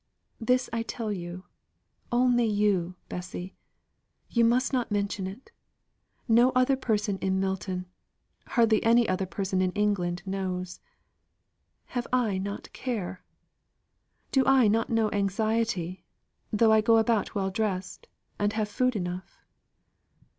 This I tell you only you, Bessy. You must not mention it. No other person in Milton hardly any other person in England knows. Have I not care? Do I not know anxiety, though I go about well dressed, and have food enough?